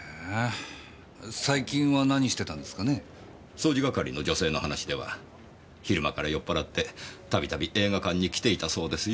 掃除係の女性の話では昼間から酔っ払ってたびたび映画館に来ていたそうですよ。